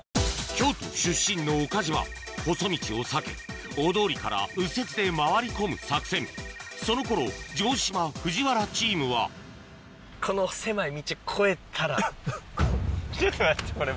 京都出身の岡島細道を避け大通りから右折で回り込む作戦その頃城島・藤原チームはちょっと待ってこれ。